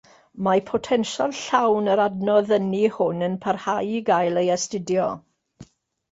Mae potensial llawn yr adnodd ynni hwn yn parhau i gael ei astudio.